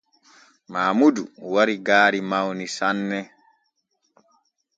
Maamudu wari gaari mawni sanne.